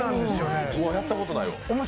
やったことないわ。